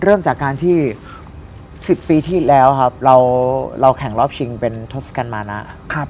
เริ่มจากการที่สิบปีที่แล้วครับเราเราแข่งรอบชิงเป็นทอสกันมานะครับ